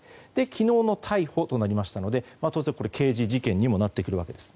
昨日の逮捕となりましたので当然、これは刑事事件にもなってくるわけです。